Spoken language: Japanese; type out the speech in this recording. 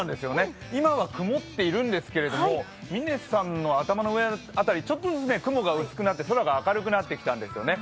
今は曇っているんですけれども、嶺さんの頭の上辺りちょっとずつ雲が薄くなって空が明るくなってきたんですよね。